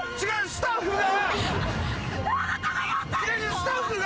スタッフが。